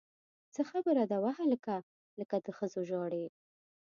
څه خبره ده وهلکه! لکه د ښځو ژاړې!